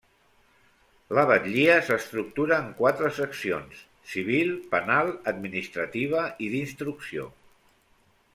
La Batllia s'estructura en quatre seccions: civil, penal, administrativa i d'instrucció.